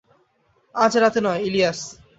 আজ রাতে নয়, ইলিয়াস।